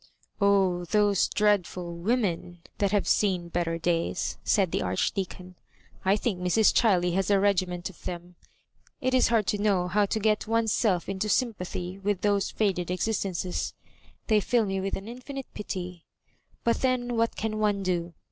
" Ob, those dreadful women that have seen better days," said the Archdeacon; "I thmk Mrs. Chiley has a regiment of them. It is hard to know how to get one's self into sympathy with those faded existences. They fill me with an infinite pity; but then what can one do?